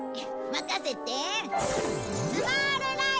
任せて。